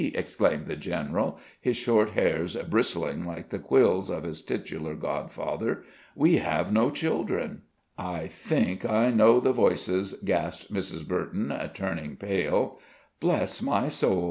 exclaimed the general, his short hairs bristling like the quills of his titular godfather. "We have no children." "I think I know the voices," gasped Mrs. Burton, turning pale. "Bless my soul!"